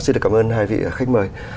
xin được cảm ơn hai vị khách mời